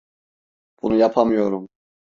Bunu yapamıyorum.